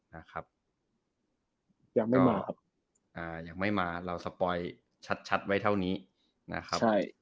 นะครับยังไม่มาเราสปอยชัดไว้เท่านี้นะครับ